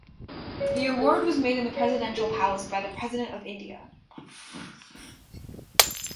The award was made in the Presidential Palace by the President of India.